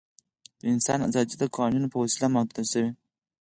د انسان آزادي د قوانینو په وسیله محدوده شوې.